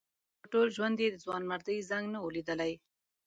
خو په ټول ژوند یې د ځوانمردۍ زنګ نه و لیدلی.